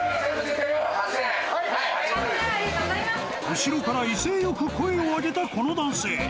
後ろから威勢よく声を上げたこの男性。